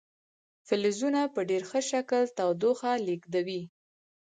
فلزونه په ډیر ښه شکل تودوخه لیږدوي.